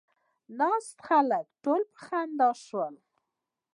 ناست خلک ټول په خندا شول.